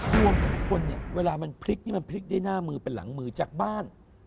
ดวงของคนเนี่ยเวลามันพลิกนี่มันพลิกได้หน้ามือเป็นหลังมือจากบ้าน